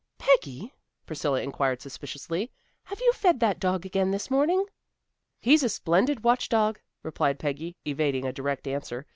"Peggy," Priscilla inquired suspiciously, "have you fed that dog again this morning?" "He's a splendid watch dog," replied Peggy, evading a direct answer.